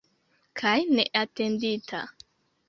Kaj neatendita.